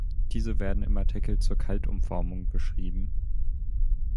Diese werden im Artikel zur Kaltumformung beschrieben.